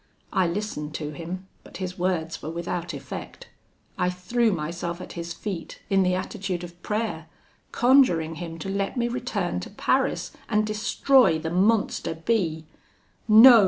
I listened to him, but his words were without effect. I threw myself at his feet, in the attitude of prayer, conjuring him to let me return to Paris, and destroy the monster B . 'No!'